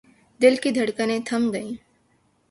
دل کی دھڑکنیں تھم گئیں۔